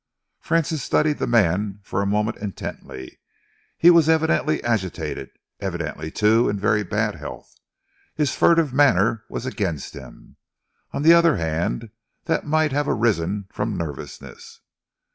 Francis studied the man for a moment intently. He was evidently agitated evidently, too, in very bad health. His furtive manner was against him. On the other hand, that might have arisen from nervousness.